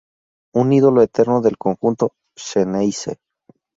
Un ídolo eterno del conjunto Xeneize.